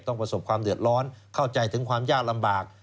ประสบความเดือดร้อนเข้าใจถึงความยากลำบาก